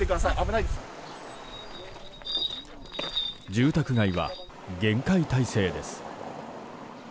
住宅街は厳戒態勢です。